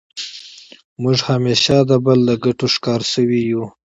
موږ همېشه د بل د ګټو ښکار سوي یو.